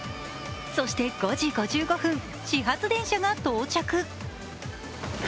そして５時５５分、始発電車が到着。